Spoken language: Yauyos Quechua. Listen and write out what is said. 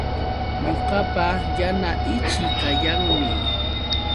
Ñuqapa yana ichii kayanmi